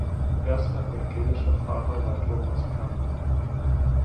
Erster evangelischer Pfarrer war Thomas Platen.